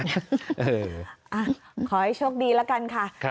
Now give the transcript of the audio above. เอออ่าขอให้โชคดีแล้วกันค่ะค่ะ